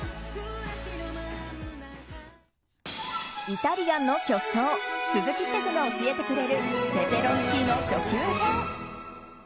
イタリアンの巨匠鈴木シェフが教えてくれるペペロンチーノ初級編。